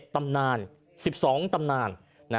ตำนาน๑๒ตำนาน